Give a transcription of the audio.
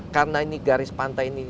karena ini garis pantai ini